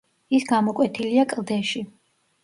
ის გამოკვეთილია კლდეში.